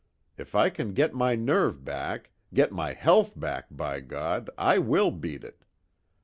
If I can get my nerve back get my health back, By God, I will beat it!